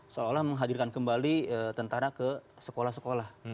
seolah olah menghadirkan kembali tentara ke sekolah sekolah